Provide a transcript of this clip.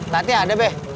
tadi ada be